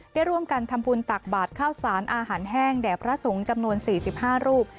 ได้ร่วมกันทำบุญตักบาทข้าวสารอาหารแห้งแด่พระสงฆ์จำนวน๔๕รูป